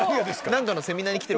何かのセミナーに来てる？